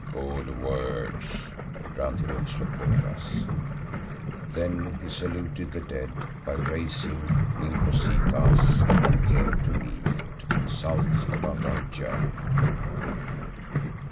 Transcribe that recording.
"Good words!" grunted Umslopogaas. Then he saluted the dead by raising Inkosikaas and came to me to consult about our journey.